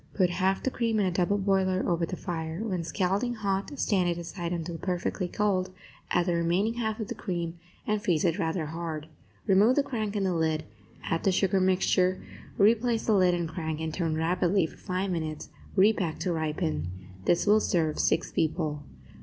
Put half the cream in a double boiler over the fire; when scalding hot, stand it aside until perfectly cold; add the remaining half of the cream and freeze it rather hard. Remove the crank and the lid, add the sugar mixture, replace the lid and crank, and turn rapidly for five minutes; repack to ripen. This will serve six people.